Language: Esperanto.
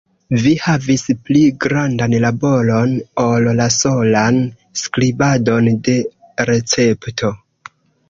Vi havis pli grandan laboron, ol la solan skribadon de recepto.